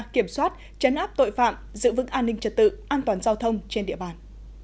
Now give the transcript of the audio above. kiểm soát chấn áp tội phạm giữ vững an ninh trật tự an toàn giao thông trên địa bàn